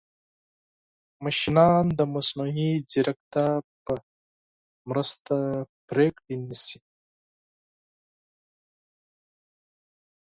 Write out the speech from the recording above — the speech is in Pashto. ماشینونه د مصنوعي ځیرکتیا په مرسته پرېکړې نیسي.